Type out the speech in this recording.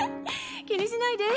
気にしないで。